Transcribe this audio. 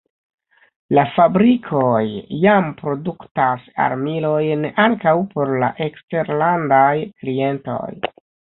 La fabrikoj jam produktas armilojn ankaŭ por la eksterlandaj klientoj.